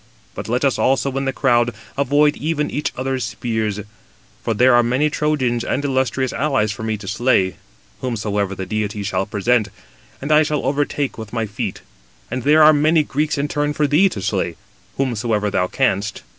But let us also in the crowd avoid even each other's spears. For there are many Trojans and illustrious allies for me to slay, whomsoever the deity shall present, and I shall overtake with my feet. And there are many Greeks in turn for thee to slay, whomsoever thou canst.